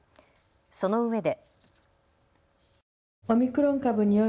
そのうえで。